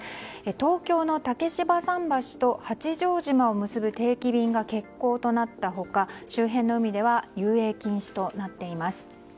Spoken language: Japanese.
東京の竹芝桟橋と八丈島を結ぶ定期便が欠航となった他、周辺の海では遊泳禁止となっています。